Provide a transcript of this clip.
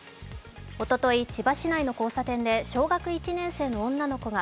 おととい、千葉市内の交差点で小学１年生の女の子が